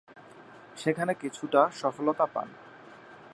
সেখানে কিছুটা সফলতা পান।